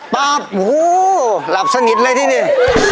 ปั๊บโอ้โหหลับสนิทเลยที่นี่